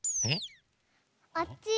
あっち？